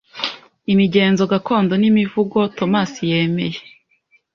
imigenzo gakondo nimivugo Thomas yemeye